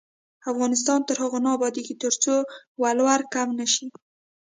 افغانستان تر هغو نه ابادیږي، ترڅو ولور کم نشي.